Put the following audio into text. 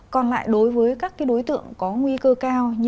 còn lại đối với các đối tượng có nguy cơ cao như